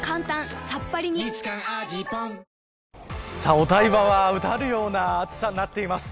お台場は、うだるような暑さになっています。